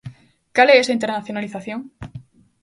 ¿Cal é esa internacionalización?